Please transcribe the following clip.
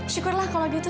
syukurlah kalau gitu